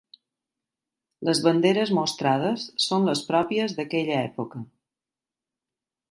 Les banderes mostrades són les pròpies d'aquella època.